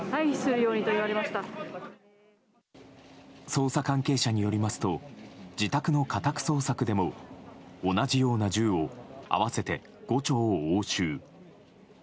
捜査関係者によりますと自宅の家宅捜索でも同じような銃を合わせて５丁押収。